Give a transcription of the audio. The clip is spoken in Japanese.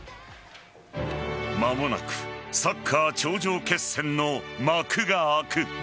間もなくサッカー頂上決戦の幕が開く。